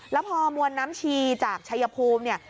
แล้วพอมวลน้ำชีจากชายภูมิเนี่ย